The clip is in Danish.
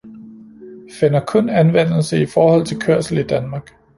finder kun anvendelse i forhold til kørsel i Danmark